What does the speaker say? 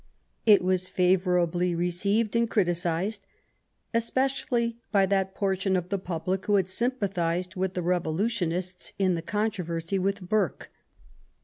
It was favourably received and criticised, especially by that portion of the public who had sympathised with the Revolutionists in the con troversy with Burke.